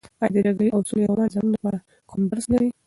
ایا د جګړې او سولې رومان زموږ لپاره کوم درس لري؟